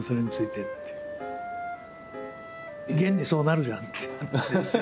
現にそうなるじゃんっていう話です。